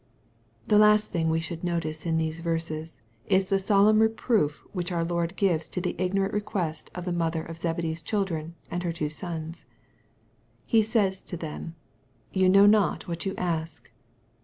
The last thing that we should notice in these verses, is the solemn reproof which our Lord gives to the ignorant request of the mother of Zebedee' s children and her two sons. He says to them, " Ye know not what you ask."